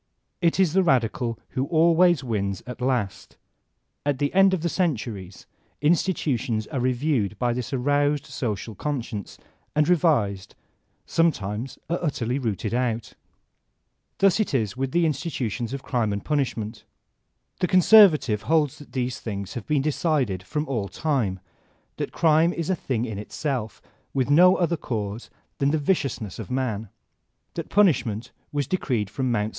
It is the radical who always wins at last At the end of the centuries institutions are reviewed by this aroused social conscience, are revised, sometimes are utterly rooted out. Thus it is with the institutions of Crime and Punish ment. The conservative holds that these things have been decided from all time ; that crime is a thing in itself , with no other cause than the viciousness of man ; that punish ment was decreed from Mt.